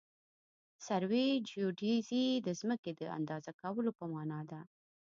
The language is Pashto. سروي جیودیزي د ځمکې د اندازه کولو په مانا ده